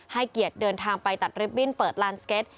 ให้เกียรติเดินทางไปตัดริบบิ้นเปิดลานสเก็ต